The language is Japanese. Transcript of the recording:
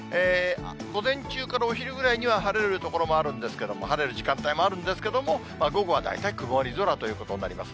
午前中からお昼ぐらいには晴れる所もあるんですけども、晴れる時間帯もあるんですけれども、午後は大体、曇り空ということになります。